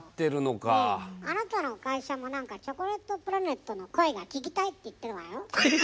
あなたの会社もチョコレートプラネットの声が聴きたいって言ってるわよ。